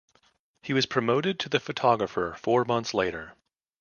He was promoted to the photographer four months later.